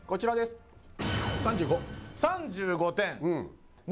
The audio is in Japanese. ３５点。